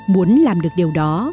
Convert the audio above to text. muốn làm được điều đó